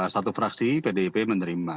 satu fraksi pdip menerima